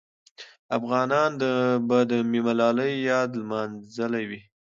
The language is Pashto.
افغانان به د ملالۍ یاد لمانځلې وي.